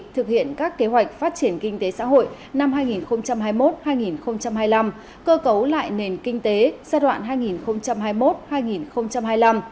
thực hiện các kế hoạch phát triển kinh tế xã hội năm hai nghìn hai mươi một hai nghìn hai mươi năm cơ cấu lại nền kinh tế giai đoạn hai nghìn hai mươi một hai nghìn hai mươi năm